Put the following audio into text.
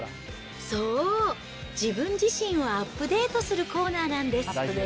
そう、自分自身をアップデートするコーナーなんです。